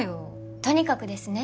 とにかくですね